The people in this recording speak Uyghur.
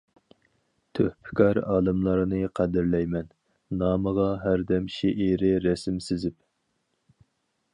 تۆھپىكار ئالىملارنى قەدىرلەيمەن، نامىغا ھەردەم شېئىرىي رەسىم سىزىپ.